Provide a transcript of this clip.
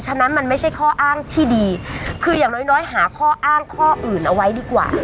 ฉะนั้นมันไม่ใช่ข้ออ้างที่ดีคืออย่างน้อยน้อยหาข้ออ้างข้ออื่นเอาไว้ดีกว่า